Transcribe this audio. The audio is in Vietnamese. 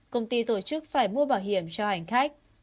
công ty tổ chức phải mua bảo hiểm cho hành khách